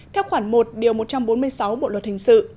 các khoản một điều một trăm bốn mươi sáu